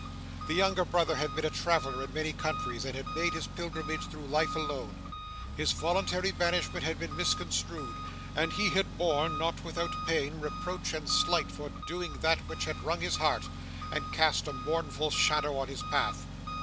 'The younger brother had been a traveller in many countries, and had made his pilgrimage through life alone. His voluntary banishment had been misconstrued, and he had borne (not without pain) reproach and slight for doing that which had wrung his heart, and cast a mournful shadow on his path.